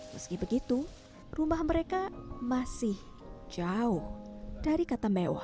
meski begitu rumah mereka masih jauh dari kata mewah